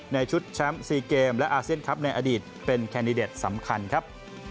ในชุดแชมป์๔เกมและอาเซียนคลับในอดีตเป็นแคนดิเดตสำคัญครับ